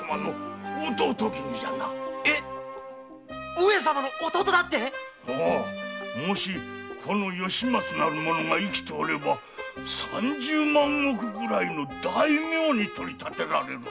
⁉上様の弟だって⁉もしこの吉松が生きておれば三十万石くらいの大名になれる。